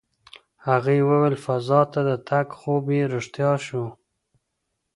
هغې وویل فضا ته د تګ خوب یې رښتیا شو.